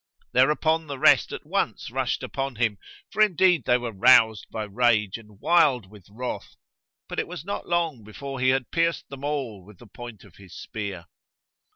Thereupon the rest at once rushed upon him, for indeed they were roused by rage and wild with wrath; but it was not long before he had pierced them all with the point of his spear.